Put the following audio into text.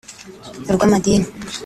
urw’amadini